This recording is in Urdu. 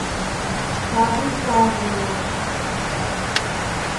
ساری کا دنیا کے